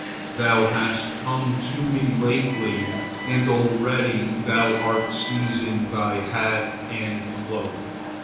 Thou hast come to me lately, and already thou art seizing thy hat and cloak.